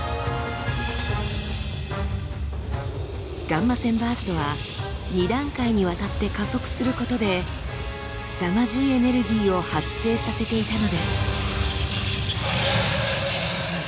ガンマ線バーストは２段階にわたって加速することですさまじいエネルギーを発生させていたのです。